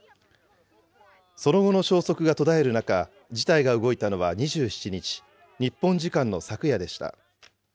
その後の消息が途絶える中、事態が動いたのは２７日、日本時間の昨夜でした。